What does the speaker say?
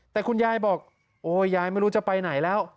แต่คุณยายบอกโอ้ยยายไม่รู้จะไปไหนแล้ว